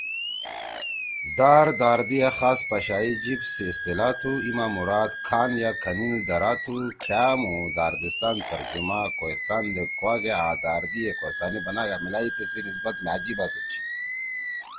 دار داردی اے خاص پشائی جیِب سی اصطلاح تُھو ایِما مُراد کھان یا کھنیِل درا تُھو کھأؤمُو داردستان ترجمہ کوہستان دے کُواگأ آں داردی ئے کوہستانی بناگا میلائی سے تیِسی نسبت مھأ جیِبا سیت چھی۔